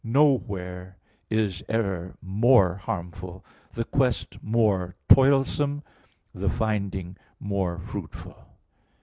i, 3), "nowhere is error more harmful, the quest more toilsome, the finding more fruitful."